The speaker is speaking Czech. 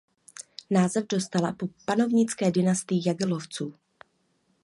Název dostala po panovnické dynastii Jagellonců.